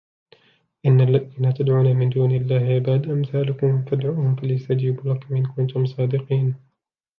إن الذين تدعون من دون الله عباد أمثالكم فادعوهم فليستجيبوا لكم إن كنتم صادقين